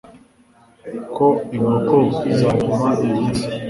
ko inkoko zanyuma ibitse